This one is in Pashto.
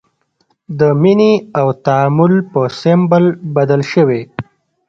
د مینې او تعامل په سمبول بدل شوی.